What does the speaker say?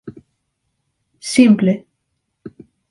Simple: